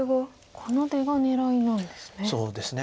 この出が狙いなんですね。